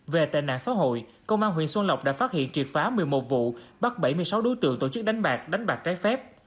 về tệ nạn xã hội công an huyện xuân lộc đã phát hiện triệt phá một mươi một vụ bắt bảy mươi sáu đối tượng tổ chức đánh bạc đánh bạc trái phép